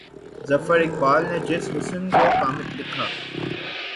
ظفر اقبال نے جس حُسن کو قامت لکھا